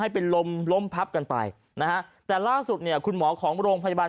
เป็นลมล้มพับกันไปนะฮะแต่ล่าสุดเนี่ยคุณหมอของโรงพยาบาล